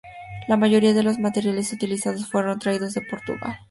La mayoría de los materiales utilizados fueron traídos de Portugal.